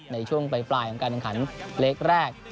ในช่วงปลายของการแข่งขันเล็กแรก